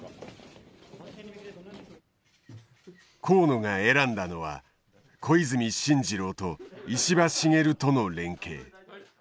河野が選んだのは小泉進次郎と石破茂との連携。